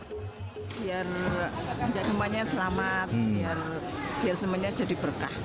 biar tidak semuanya selamat biar semuanya jadi berkah